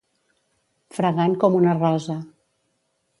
Fragant com una rosa.